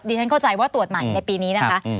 ดีฉันเข้าใจว่าตรวจใหม่ในปีนี้